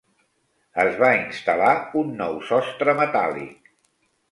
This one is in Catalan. Es va instal·lar un nou sostre metàl·lic.